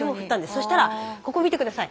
そしたらここ見て下さい。